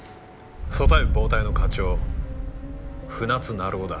組対部暴対の課長船津成男だ。